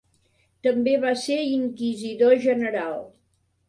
També va ser inquisidor general.